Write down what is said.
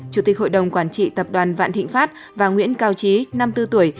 chủ tịch hội đồng quản trị tập đoàn vạn thịnh pháp và nguyễn cao trí năm mươi bốn tuổi